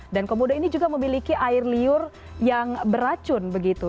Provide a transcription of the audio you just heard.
dan komodo ini juga memiliki air liur yang beracun begitu